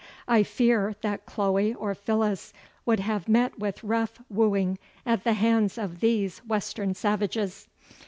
I fear that Chloe or Phyllis would have met with rough wooing at the hands of these Western savages.